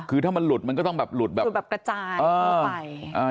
คือถ้ามันหลุดมันก็ต้องแบบหลุดแบบหลุดแบบกระจายทั่วไป